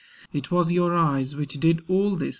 It was your eyes Which did all this.